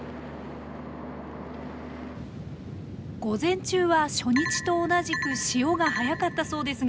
午前中は初日と同じく潮が速かったそうですが